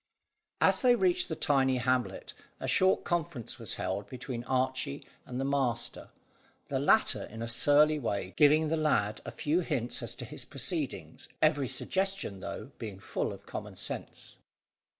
As they reached the tiny hamlet, a short conference was held between Archy and the master, the latter, in a surly way, giving the lad a few hints as to his proceedings, every suggestion, though, being full of common sense.